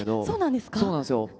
そうなんですよ。